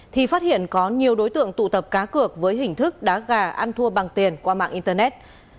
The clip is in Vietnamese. thì phát hiện có nhiều đối tượng tụ tập cá cược với hình thức đá gà ăn thua bằng tiền qua mạng internet